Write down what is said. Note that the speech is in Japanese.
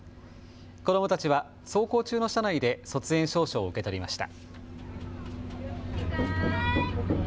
子どもたちは走行中の車内で卒園証書を受け取りました。